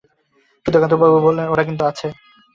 সুধাকান্তবাবু বললেন, ওরা কিন্তু আছে।